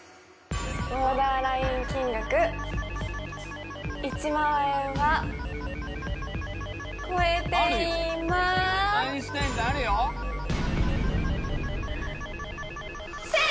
ボーダーライン金額１万円は超えていません！